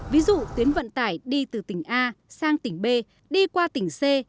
ví dụ tuyến vận tải đi từ tỉnh a sang tỉnh b đi qua tỉnh c